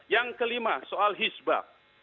yang kelima soal hisba